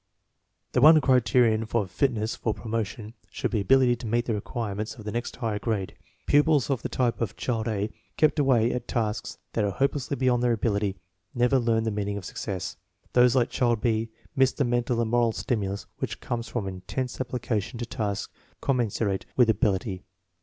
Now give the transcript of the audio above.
The one criterion of fitness for promotion should be ability to meet the requirements of the next higher grade. Pupils of the type of Child A, kept always at tasks that are hopelessly beyond their ability, never learn the meaning of success. Those like Child B miss the mental and moral stimulus which comes from intense application to tasks commensurate with abil ity.